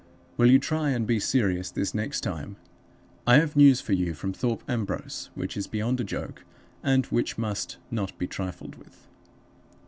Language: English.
Will you try and be serious this next time? I have news for you from Thorpe Ambrose, which is beyond a joke, and which must not be trifled with.